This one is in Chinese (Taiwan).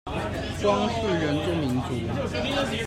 光是原住民族